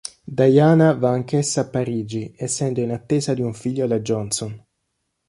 Diana va anch'essa a Parigi, essendo in attesa di un figlio da Johnson.